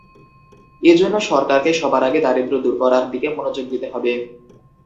এ জন্য সরকারকে সবার আগে দারিদ্র্য দূর করার দিকে মনোযোগ দিতে হবে।